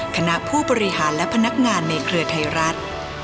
คณะผู้บริหารและพนักงานในเครือไทยรัฐ